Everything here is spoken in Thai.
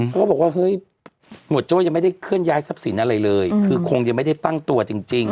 ก็บอกว่าเฮ้ยหมวดโจ้ยังไม่ได้เคลื่อนย้ายทรัพย์สินอะไรเลยคือคงยังไม่ได้ตั้งตัวจริง